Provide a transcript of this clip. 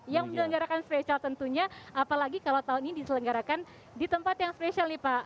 yang menyelenggarakan spesial tentunya apalagi kalau tahun ini diselenggarakan di tempat yang spesial nih pak